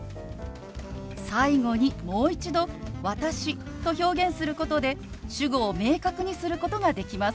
最後にもう一度「私」と表現することで主語を明確にすることができます。